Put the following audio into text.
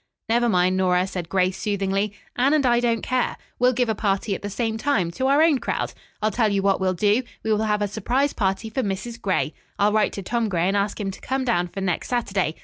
"Never mind, Nora," said Grace soothingly. "Anne and I don't care. We'll give a party at the same time, to our own crowd. I'll tell you what we'll do. We will have a surprise party for Mrs. Gray. I'll write to Tom Gray and ask him to come down for next Saturday.